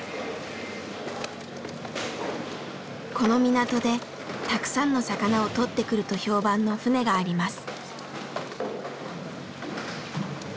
この港でたくさんの魚をとってくると評判の船があります。